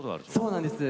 そうなんです。